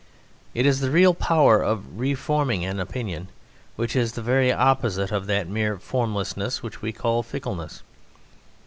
It is the real power of re forming an opinion, which is the very opposite of that mere formlessness which we call fickleness.